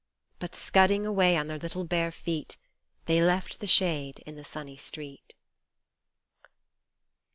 But scudding away on their little bare feet, They left the shade in the sunny street.